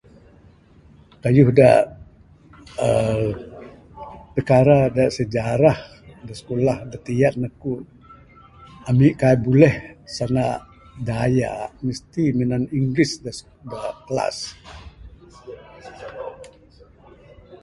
Kayuh da aaa pikara da bersejarah da skulah da tiyan aku ami kaik buleh sanda dayak mesti minan inggeris da class.